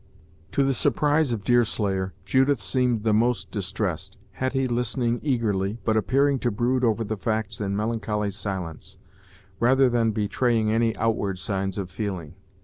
To the surprise of Deerslayer, Judith seemed the most distressed, Hetty listening eagerly, but appearing to brood over the facts in melancholy silence, rather than betraying any outward signs of feeling.